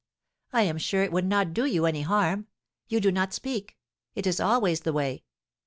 I am sure it would not do you any harm; you do not speak; it is always the way.